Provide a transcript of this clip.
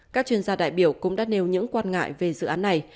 các chuyên gia đại biểu cũng đã nêu những quan ngại về dự án này